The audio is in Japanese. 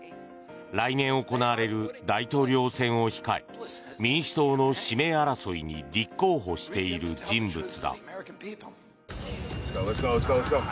来年行われる大統領選を控え民主党の指名争いに立候補している人物だ。